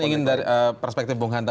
ingin dari perspektif bung hanta